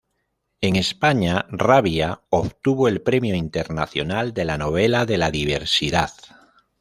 En España, "Rabia" obtuvo el Premio Internacional de la Novela de la Diversidad.